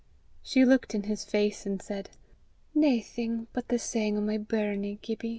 She looked in his face and said, "Naething but the sang o' my burnie, Gibbie."